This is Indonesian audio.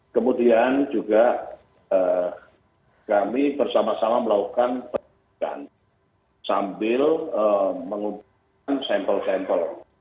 kemudian juga kami bersama sama melakukan penyelidikan sambil mengumpulkan sampel sampel